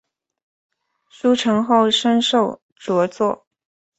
书成后升授着作。